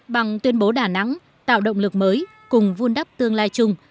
bằng tuyên bố đà nẵng tạo động lực mới cùng vun đắp tương lai chung